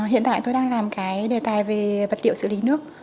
hiện tại tôi đang làm cái đề tài về vật liệu xử lý nước